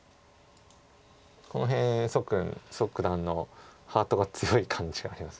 この辺蘇九段のハートが強い感じがあります。